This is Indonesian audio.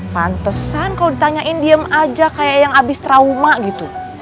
pantesan kalau ditanyain diem aja kayak yang abis trauma gitu